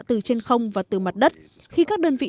từ trên không và từ mặt đất khi các đơn vị